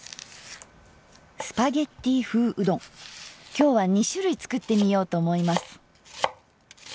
今日は２種類作ってみようと思います。